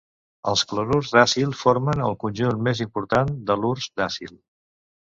Els clorurs d'acil formen el conjunt més important d'halurs d'acil.